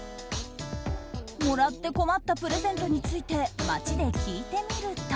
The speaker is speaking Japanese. もらって困ったプレゼントについて街で聞いてみると。